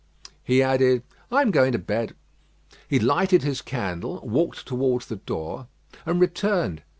He added: "I am going to bed." He lighted his candle, walked towards the door, and returned.